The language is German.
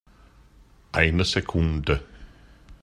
Eine Sekunde!